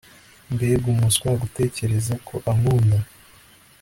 Mbega umuswa gutekereza ko ankunda